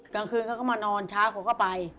จังก็เขามานอนช้าเขาก็ไป